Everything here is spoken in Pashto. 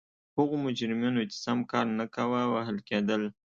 هغو مجرمینو چې سم کار نه کاوه وهل کېدل.